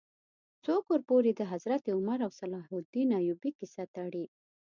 څوک ورپورې د حضرت عمر او صلاح الدین ایوبي کیسه تړي.